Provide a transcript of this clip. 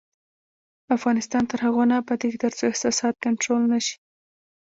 افغانستان تر هغو نه ابادیږي، ترڅو احساسات کنټرول نشي.